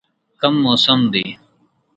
کوم موسم دی؟